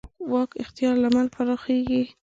واک اختیار لمن پراخېږي.